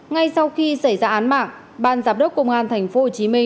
ngay sau khi xảy ra án mạng ban giám đốc công an tp hcm